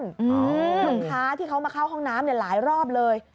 ลูกค้าที่เขามาเข้าห้องน้ำหลายรอบเลย